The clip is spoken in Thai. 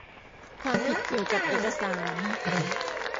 ความผิดเกี่ยวกับเอกสาร